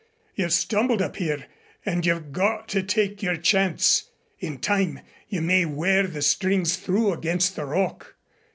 You've stumbled up here and you've got to take your chance. In time you may wear the strings through against a rock.